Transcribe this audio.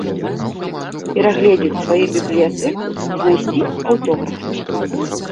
Перагледзець сваю бібліятэку і знайсці аўтографы.